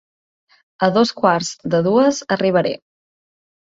A dos quarts de dues arribaré.